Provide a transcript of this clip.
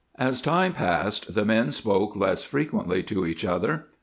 As time passed the men spoke less frequently to each other.